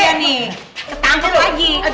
dia nih ketangkep lagi